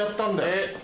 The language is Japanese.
えっ！